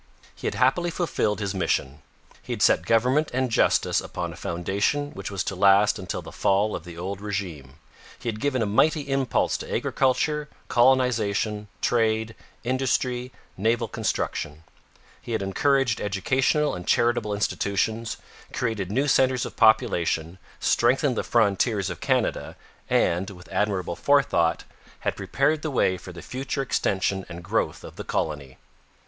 He had happily fulfilled his mission. He had set government and justice upon a foundation which was to last until the fall of the old regime. He had given a mighty impulse to agriculture, colonization, trade, industry, naval construction. He had encouraged educational and charitable institutions, created new centres of population, strengthened the frontiers of Canada, and, with admirable forethought, had prepared the way for the future extension and growth of the colony.